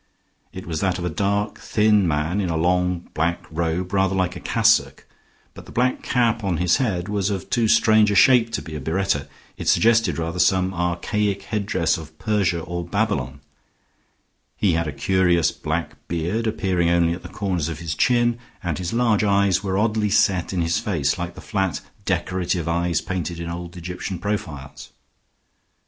It was that of a dark, thin man in a long black robe rather like a cassock; but the black cap on his head was of too strange a shape to be a biretta. It suggested, rather, some archaic headdress of Persia or Babylon. He had a curious black beard appearing only at the corners of his chin, and his large eyes were oddly set in his face like the flat decorative eyes painted in old Egyptian profiles.